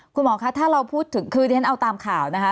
คุณหมอคะถ้าเราพูดถึงคือที่ฉันเอาตามข่าวนะคะ